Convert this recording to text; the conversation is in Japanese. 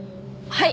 はい！